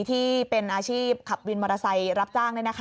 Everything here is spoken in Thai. ที่เป็นอาชีพขับวินมอเตอร์ไซค์รับจ้าง